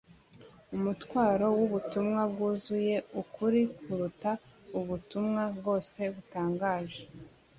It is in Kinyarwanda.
umutwaro w'ubutumwa bwuzuye ukuri kuruta ubutumwa bwose butangaje;